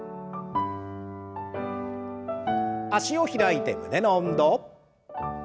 脚を開いて胸の運動。